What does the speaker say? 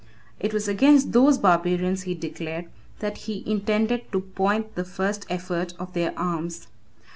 It was against those barbarians, he declared, that he intended to point the first effort of their arms.